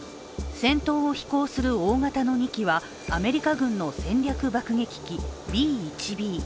先頭を飛行する大型の２機はアメリカ軍の戦略爆撃機Ｂ−１Ｂ。